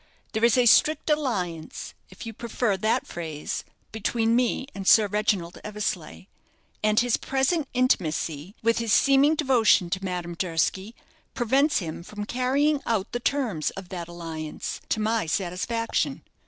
There is a strict alliance, if you prefer that phrase, between me and Sir Reginald Eversleigh, and his present intimacy, with his seeming devotion to Madame Durski, prevents him from carrying out the terms of that alliance to my satisfaction.